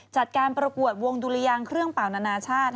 จัดการประกวดวงดุรยางเครื่องเป่านานาชาติ